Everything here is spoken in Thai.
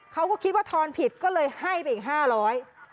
เขาก็คิดว่าทอนผิดก็เลยให้ไปอีกห้าร้อย